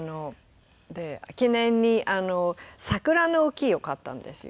記念に桜の木を買ったんですよ。